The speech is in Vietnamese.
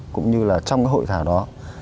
cũng như trong hội thảo đó